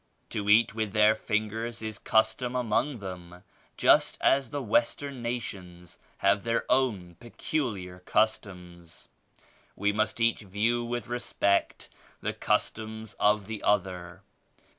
To eat with their fingers is custom among them just as the Western nations have their own peculiar customs. We must each view with respect the customs of the other.